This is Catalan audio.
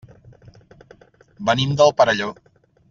Venim del Perelló.